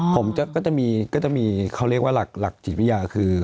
ผมก็จะมีเขาเรียกว่าหลักจิตวิทยาคือ